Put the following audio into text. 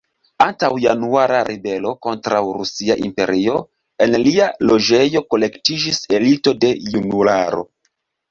Antaŭ Januara Ribelo kontraŭ Rusia Imperio en lia loĝejo kolektiĝis elito de junularo.